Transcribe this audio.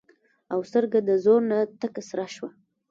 او سترګه د زور نه تکه سره شي